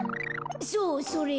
そうそれ。